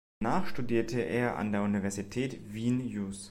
Danach studierte er an der Universität Wien Jus.